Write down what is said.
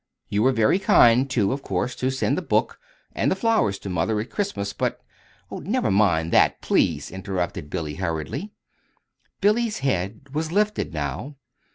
You were very kind, too, of course, to send the book and the flowers to mother at Christmas; but " "Never mind that, please," interrupted Billy, hurriedly. Billy's head was lifted now.